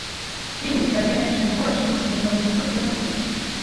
ყინვით დაზიანების შემთხვევაში მისი მოსავლიანობა კლებულობს.